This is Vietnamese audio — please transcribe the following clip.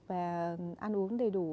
và ăn uống đầy đủ